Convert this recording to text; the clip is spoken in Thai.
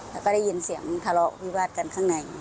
แล้วก็ได้ยินเสียงทะเลาะวิวาดกันข้างใน